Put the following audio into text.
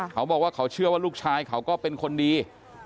เขาบอกว่าเขาเชื่อว่าลูกชายเขาก็เป็นคนดี